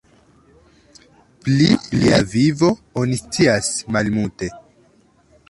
Pli lia vivo oni scias malmulte.